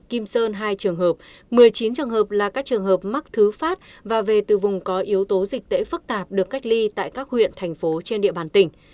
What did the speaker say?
kim sơn hai trường hợp một mươi chín trường hợp là các trường hợp mắc thứ phát và về từ vùng có yếu tố dịch tễ phức tạp được cách ly tại các huyện thành phố trên địa bàn tỉnh